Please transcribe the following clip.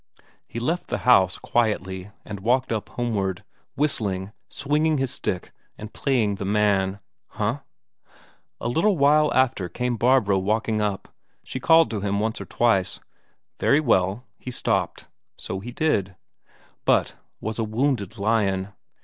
He left the house, quietly, and walked up homeward, whistling, swinging his stick, and playing the man. Huh! A little while after came Barbro walking up; she called to him once or twice. Very well; he stopped, so he did, but was a wounded lion.